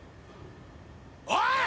おい！